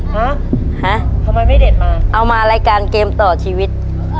ฮะฮะทำไมไม่เด็ดมาเอามารายการเกมต่อชีวิต